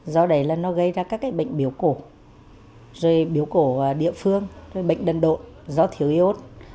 do đấy là nó gây ra các cái bệnh biểu cổ rồi biểu cổ địa phương rồi bệnh đần độ do thiếu iốt